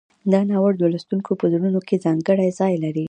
دا ناول د لوستونکو په زړونو کې ځانګړی ځای لري.